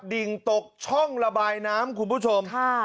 ดิ่งตกช่องระบายน้ำคุณผู้ชม